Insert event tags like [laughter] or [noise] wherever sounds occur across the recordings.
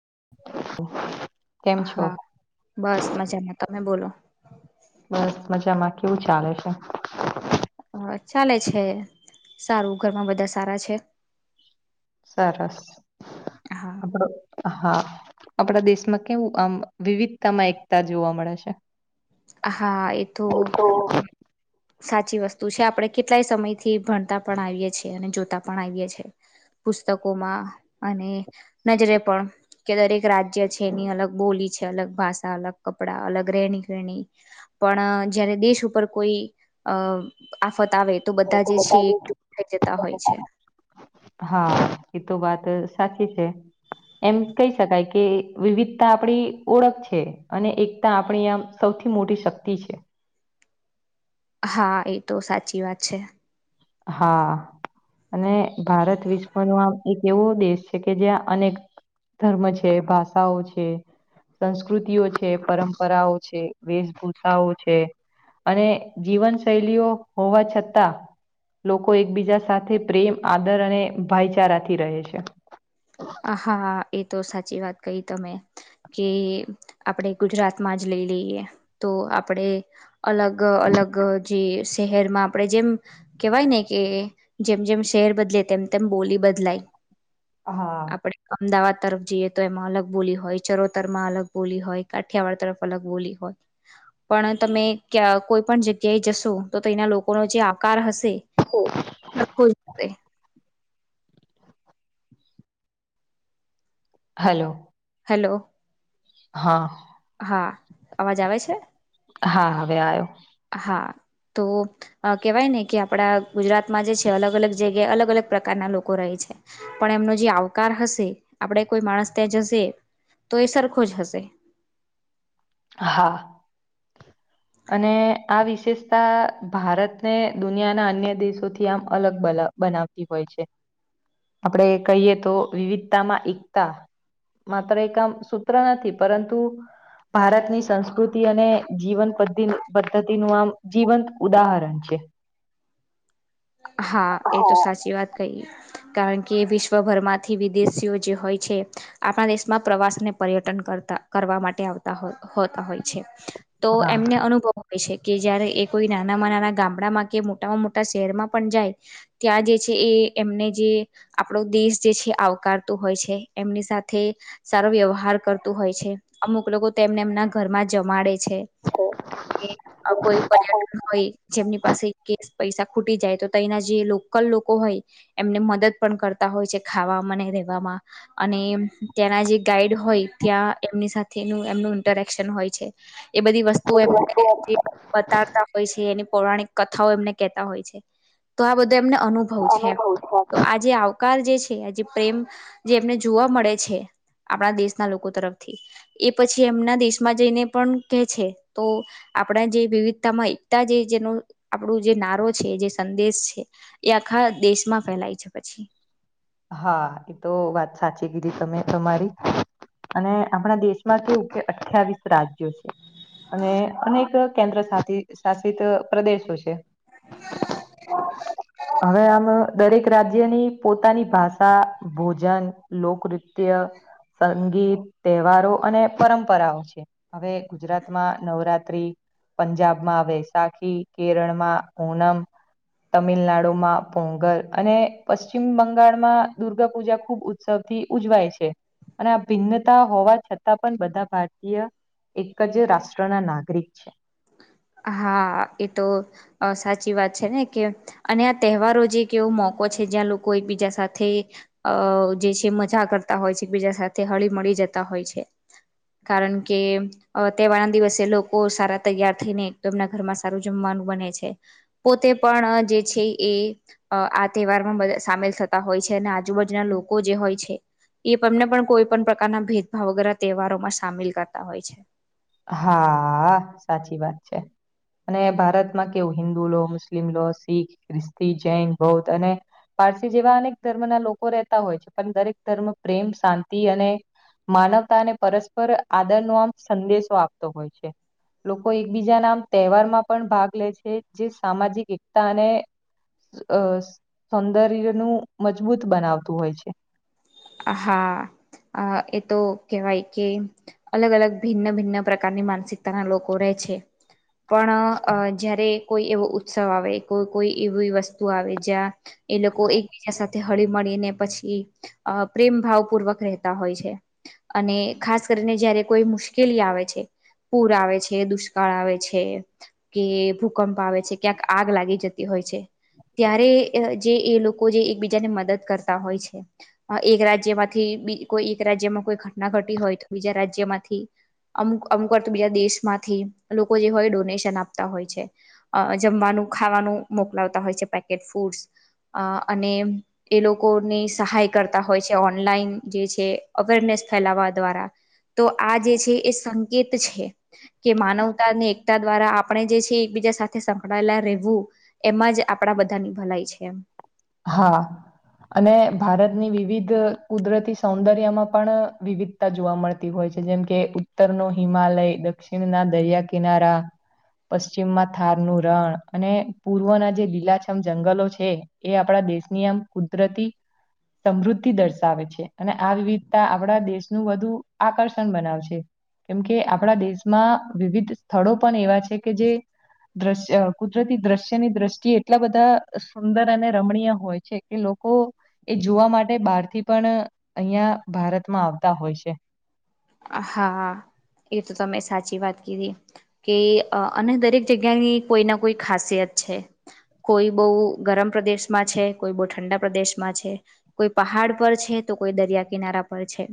હ હા બસ મજામાં તમે બોલો બસ મજામાં કેવું ચાલે છે હ ચાલે છે સારું ઘરમાં બધા સારા છે સરસ હા હા આપડા દેશમાં કેવું આમ વિવિધતામાં એકતા જોવા મળે છે હા એ તો સાચી વસ્તુ છે આપણે કેટલાય સમય થી ભણતા પણ આવીએ છીએ અને જોતા પણ આવીએ છ છેએ પુસ્તકોમાં અને નજરે પણ કે દરેક રાજ્ય છે એની અલગ બોલી છે અલગ ભાષા અલગ કપડા અલગ રહેણી ગણી પણ જયારે દેશ ઉપર કોઈ અ આફત આવે તો બધા જે છે એ બ થઈ જતા હોય છે હા એ તો વાત સાચી છે એમ કહી શકાય કે વિવિધતા આપડી ઓળખ છે અને એકતા આપણી આમ સ સૌથી મોટી શક્તિ છે હા એ તો સાચી વાત છે હા અને ભારત વિશ્વ ન આમ એક એવો દેશ છે કે જ્યાં અનેક ધર્મ છે ભાષાઓ છે સંસ્કૃતિઓ છે પરંપરાઓ છે વેશભૂષાઓ છે અને જીવન શૈલીઓ હોવા છતાં લોકો એકબીજા સાથે પ્રેમ આદર અને ભાઈચારાથી રહે છે હા એ તો સાચી વાત કહી તમે કે આપણેે ગુજરાતમાં જ લ લઈએ તો આપડે અલગ અલગ જે શહેરમાં આપડે જેમ કેહેવાય ને કે જેમ જેમ શહેર બદલે તેમ તેમ બોલી બ બદલાઈ હા અમદાવાદ તરફ જઈએ તો એમાં અલગ બોલી હોય ચરોતરમાં અલગ બોલી હોય કાઠિયાવાડ તરફ અલગ બોલી હોય પણ તમે ક્યા કોઈ પણ જગ્યાએ જશો તો તેના લોકોનો જે આકાર હશે [inaudible] હલો હલો હા હા અવાજ આવે છે હા હા વેો હા તો કેવાય ને કે આપડા ગુજરાતમાં જે છે અલગ અલગ જગ્યાએ અલગ અલગ પ્રકારના લોકો રહે છે પણ એમનો જે આવકાર હશે આપણેે કોઈ માણસ ત્યાં જશે તો એ સરખો જ હશે હા અને આ વિશેષતા ભારતને દુનિયાના અન્ય દેશોથી આમ અલગ બલ બનાવતી હોય છે આપણેે કહીએ તો વિવિધતામાં એકતા માત્ર એક આમ સૂત્ર નથી પરંતુ ભારતની સંસ્કૃતિ અને જીવન પદ્ધિ પદ્ધતિનું આમ જીવંત ઉદાહરણ છે. હા, એ તો સાચી વાત કહીએ કારણ કે વિશ્વભરમાંથી વિદેશીઓ જે હોય છે, આપણા દેશમાં પ્રવાસને પર્યટન કરતા કરવા માટે આવતા હો હોતા હોય છે તો હા. એમને અનુભવ હોય છે. કે જય્યારે એ કોઈ નાના માણહ ના ગામડામાં કે મોટામાં મોટા શહેરમાં પણ જાય ત્યાં જે છે એ એમને જે આપણો દેશ જે છે આવકારતો હોય છે. એમની સાથે સારો વ્યવહાર કરતું હોય છે, અમુક લોકો તો એમને એમના ઘરમાં જમાડે છે કે કોઈ પર્યટક હોય જેમની પાસે કે પૈસા ખૂટી જાય તયના જે લોકલ લોકો હોય એમને મદદ પણ કરતા હોય છે ખાવામાં ને રેવામાં અને ત્યાંના જે ગાઈડ હોય ત્યાં એમની સાથેનું એમનું ઇન્ટરેક્શન હોય છે. એ બધી વસ્તુઓ બધી વસ્તુ એમને બતાડતા હોય છે એની પૌરાણિક કથાઓ એમને કહેતા હોય છે. તો આ બધો એમને અનુભવ છે અનુભવ છે. તો આ જે આવકાર જે છે. આ જે પ્રેમ જે એમને જોવા મળે છે. આપણા દેશના લોકો તરફથી એ પછી એમના દેશમાં જઈને પણ કેહે છે, તો આપણા જે વિવિધતામાં એકતા જે જેનો આપણો જે નારો છે જે સંદેશ છે એ આખા દેશમાં ફેલાય છે પછી. હા એતો તો વાત સાચી કીધી તમે તમારી અને આપણા દેશમાં શું કે અઠ્યાવીસ રાજ્યો છે. અને અનેક કેન્દ્ર સાધીત શાસિત પ્રદેશો છે. હવે આમ દરેક રાજ્યની પોત પોતાની ભાષા ભોજન લોકનૃત્ય સંગીત તહેવારો અને પરંપરાઓ છે, હવે ગુજરાતમાં નવરાત્રી પંજાબમાં વૈશાખી કેરળમાં ઓનમ તમિલનાડુમાં પોંગલ અને પશ્ચિમ બંગ બંગાળ માં દુર્ગા પૂજા ખુબ ઉત્સવ થી ઉજવાય છે. અને આ ભિન્નતા હોવા છતાં પણ બધા ભારતીય એક જ રાષ્ટ્ર ના નાગરિક છે. હા એ તો અ સાચી સાચી વાત છે ને કે અને આ તહેવારો જે એક એવો મોકો છે જ્યાં લોકો એકબીજા સાથે અ અ જે છે મજા કરતા હોય છે એક બીજા સાથે હળી મળી જતા હોય છે. કારણ કે અ તહેવારના દિવસે લોકો સારા તૈયાર થઈને તો એમના ઘરમાં સારું જમવાનું બને છે પોતે પણ અ જે છે, એ અ આ તહેવારમાં બધા સામેલ થતા હોય છે અને આજુબાજુના લોકો જે હોય છે. એ તમને પણ કોઈ પણ પ્રકારના ભેદભાવ વગેરે તહેવારોમાં સામેલ કરતા હોય છે. હાઆ સાચી વાત છે. અને ભારતમાં કેવું હિન્દુ લો મુસ્લિમ લો શીખ ખ્રિસ્તી જૈન બૌદ્ધ અને પારસી જેવા અનેક ધર્મના લોકો રહેતા હોય છે. પણ દરેક ધર્મ પ્રેમ શાંતિ અને માનવતાને પરસ્પર આદર નો આમ સંદેશો આપતો હોય છે. લોકો એકબીજા ના આમ તહેવાર માં પણ ભાગ લે છે, જે સામાજિક એકતા અને અ સૌંદર્યનુંું મજબૂત બનાવતું હોય છે. હા અ એ તો કેવાય કે અલગ અલગ ભિન્ન ભિન્ન પ્રકારની માનસિકતાના લોકો રહે છે. પણ અ જયારે કોઈ એવો ઉત્સવ આવે કોઈ કોઈ એવી વસ્તુ આવે જ્યાં એ લોકો એકબીજા સાથે હળી મળીને પછી. અ પ્રેમ ભાવ પૂર્વક રહેતા હોય છે અને ખાસ કરીને જયારે કોઈ મુશ્કેલી આવે છે. પૂર આવે છે દુષ્કાળ આવે છે કે ભૂકંપ આવે છે, ક્યાંક આગ લાગી જતી હોય છે ત્યારે જે એ લોકો જે એકબીજાને મદદ કરતા હોય છે. અઅ એક રાજ્યમાંથી બી કોઈ એક રાજ્યમાં કોઈ ઘટના ઘટી હોય તો બીજા રાજ્યમાંથી અમુક અમુક વાર તો બીજા દેશમાંથી લોકો જે હોય ડોનેશન આપતા હોય છે અ જમવાનું નું ખાવાનું મોકલાવતા હોય છે પેકેટ્સ ફૂડસ અ અને એ લોકોની સહાય કરતા હોય છે ઓનલાઈન જે છે અવેરનેસ ફેલાવા દ્વારા કા તો આ જે છે એ સંતો કેત છે કે માનવતાને એકતા દ્વારા આપણે જે છે એ એકબીજા સાથે સંકળાયેલા રહેવું એમાં જ આપણા બધાની ભલાઈ છે. હા. અને ભારતની વિવિધ અ કુદરતી સૌંદર્યમાં પણ અ વિવિધતા જોવા મળતી હોય છે જેમ કે ઉત્તરનો હિમાલય, દક્ષિણના દરિયા કિનારા પશ્ચિમમાં થાર નું રણ અને પૂર્વના જે લીલાછમ જંગલો છે. એ આપણા દેશની આમ કુદરતી સમૃદ્ધિ દર્શાવે છે અને આ વિવિધતા આપણા દેશનું વધુ આકર્ષણ બનાવે છે. કેમકે આપણા દેશમાં વિવિધ સ્થળો પણ એવા છે કે જે દ્રશ્ય કુદરતી દ્રશ્યની દ્રષ્ટિએ એટલા બધા આ સુંદર અને રમણીય હોય છે એ લોકો એ જોવા માટે બહારથી પણ અહિયાં ભારતમાં આવ આવતા હોય છે. આ હા હા. એ તો તમે સાચી વાત કીધી કે અ અને દરેક જગ્યાની કોઈ ના કોઈ ખાસિયત છે. કોઈ બહુ ગરમ પ્રદેશમાં છે કોઈ બહુ ઠંડા પ્રદેશમાં છે કોઈ પહાડ પર છે તો કોઈ દરિયા કિનારા પર છે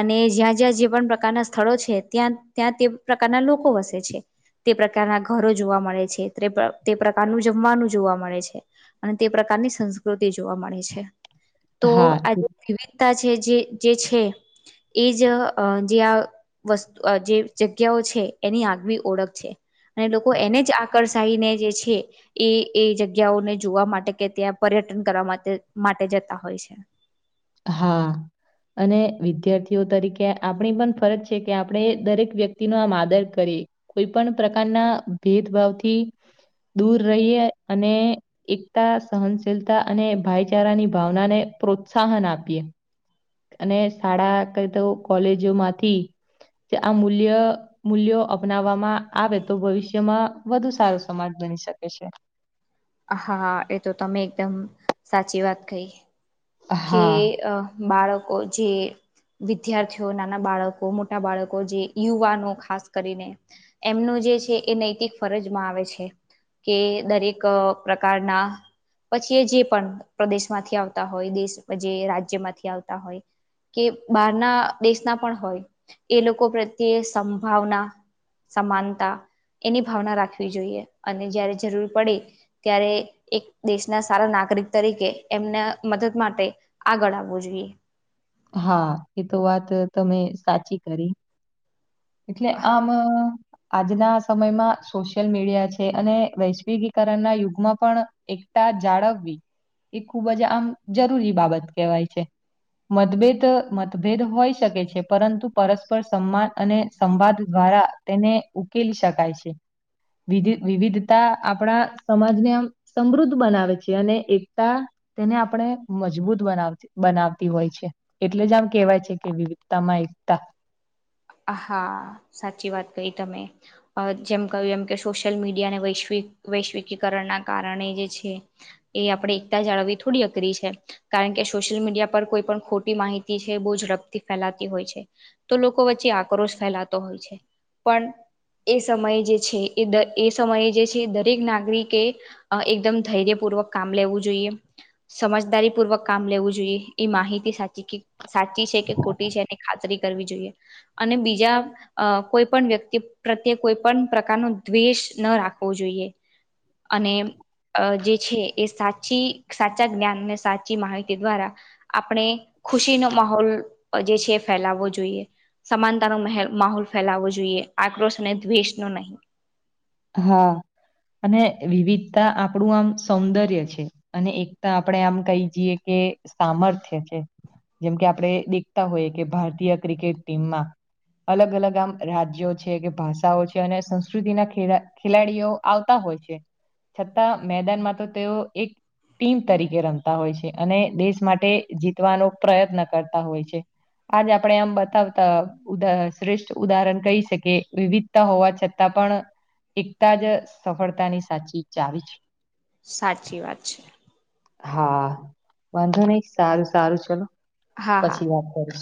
અને જ્યાં જ્યાં જીવ પણ પ્રકારના સ્થળો છે ત્યાં ત્યાં તે પ્રકારના લોકો વસે છે. તે પ્રકારના ઘરો જોવા મળે છે તે તે પ્રકારનું જમવાનું જોવા મળે છે અને તે પ્રકા પ્રકારની સંસ્કૃતિ જોવા મળે છે. તો હા આ જે વિવિધતા છે જે જે છે એજ અ જે આ વસ્તુ અ જે જગ્યાઓ છે એની આગવી ઓળખ છે. અને લોકો એને જ આકર્ષાઈને જે છે એ એ જગ્યાઓને જોવા માટે કે ત્યાં પર્યટ ટન કરવા માતે માટે જતા હોય છે. હા. અને વિદ્યાર્થીઓ તરીકે આપણી પણ ફરજ છે કે આપણે દરેક વ્યક્તિનો આમ આદર કરી એ કોઈ પણ પ્રકારના ભેદભાવથી દૂર રહીએ અનેએ એકતા સહનશીલતા અને ભાઈચારાની ભાવના ને પ્રોત્ સાહન આપીએ અને શાળા કંઇ તો કોલેજોમાંથી કે આ મૂલ્ય મૂલ્યો અપનાવવામાં આવે તો ભવિષ્યમાં વધુ સારો સમાજ બની શકે છે. હા એ તો તમે એકદમ સાચી વાત કહી કેએ હા અ બાળકો જેઅ વિદ્યાર્થીઓ, નાના બાળકો, મોટા બાળકો, જે યુવાનો ખાસ કરીને એમનું જે છે એ નૈતિક ફરજમાં આવે છે કે દરેક પ્રકારના પછી એ જે પણ પ્રદેશ માંથી આવતા હોય દેશ અ જે રાજ્ય માંથી આવતા હોય કે બહારના દેશના પણ હોય એ લોકો પ્રત્યે સંભાવના સમાનતા એની ભાવના રાખવી જોઈએ અને જયારે જરૂર પડે ત્યારે એક દેશના સારા નાગ રિક તરીકે એમને મદદ માટે આગળ આવવું જોઈએ. હા એ તો વાત તમે સાચી કરી. એટલે આમ આજના સમયમાં સોશિયલ મીડિયા છે અને વૈશ્વિકીકરણના યુગમાં પણ એકતા જાળવવી એ ખૂબ જ આમ જરૂરી બાબત કહેવાય છે. મતભેદ અ મતભેદ હોઈ શકે છે પરંતુ પરસ્પર સન્માન અને સંવાદ દ્વારા તેને ઉકેલી શકાય છે. વિધી વિવિધતા આપડા સમાજને આમ સમૃદ્ધ બનાવે છે અને એકતા તેને આપડે મજબૂત બનાવતી બનાવતી હોય છે. એટલે જ આમ કેવાય છે કે વિવિધતામાં એકતા. હા આ સાચી વાત કહી તમે અ જેમ કહ્યું એમ કે સોશિયલ મીડિયા અને વૈશ્વિક વૈશ્વિકીકરણના કારણે જે છે એ આપણે એકતા જાળવી થોડી અઘરી છે કા રણ કે સોશિયલ મીડિયા પર કોઈ પણ ખોટી માહિતી છે બહુ ઝડપથી ફેલાતી હોય છે તો લોક કો વચ્ચે આક્રોશ ફેલાતો હોય છે પણ એ સમયે જે છે એ દ એ સમયે જે છે દરેક નાગરિકે અ એકદમ ધૈર્ય પૂ ર્વક કામ લેવું જોઈએ સમજદારી પૂર્વક કામ લેવું જોઈએ એ માહિતી સાચી કી સાચી છે કે ખોટી છે એની ખાતરી કરવી જોઈએ. અને બીજા અ કોઈ પણ વ્યક્તિ પ્રત્યે કોઈ પણ પ્રકારનો દ્વેષ ન રાખ વો જોઈએ અને અ જે છે એ સાચી સાચા જ્ઞાન અને સાચી માહિતી દ્વારા આપણે ખુશીનો માહોલ અ જે છે એ ફેલાવવો જોઈએ. સમાનતાનો મહેલ માહોલ ફેલાવવો જોઈએ આક્રોશ અને દ્વેષ નો નહીં. અ હા. અને અ વિવિધતા આપડુ આમ સૌંદર્ય છે. એ સામર્થ્ય છે. જેમ કે આપડે દેખતા હોઈ કે ભારતીય ક્રિકેટ ટીમાં અલગ અલગ આમ રાજ્યો છે કે ભાષાઓ છે અને સંસ્કૃતિના ખેડા ખેલાડીઓ આવતા હોય છે છતાં મેદાનમાં તો તેઓ એક ટીમ તરીકે રમતા હોય છે અને દેશ માટે જીતવાનો પ્રયત્ન કરતા હોય છે. આજ આપડે આમ બતાવતા અ ઉદાહ શ્રેષ્ઠ ઉદાહરણ કહી શકીએ વિવિધતા હોવા છતાં પણ એકતા જ સફળતાની સાચી ચાવી છે. સા હાઆ વાંધો નહીં સારું સારું ચલો. હા હા પછ